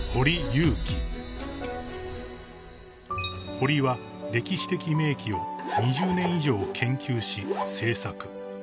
［堀は歴史的名器を２０年以上研究し制作］